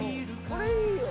これいいよ。